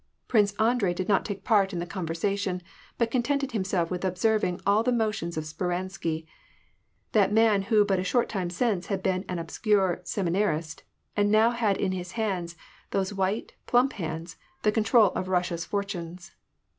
Prince Andrei did not take part in the conversation, but contented himself with observing all the motions of Speran sky, that man who but a sliort time since had been an obscure seminarist, and now had in his hands, those white, plump hands, the control of Russia's fortunes.